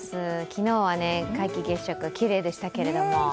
昨日は皆既月食、きれいでしたけれども。